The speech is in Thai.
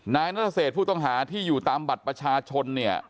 นายนรเศษผู้ต้องหาที่อยู่ตามบัตรประชาชนเนี่ย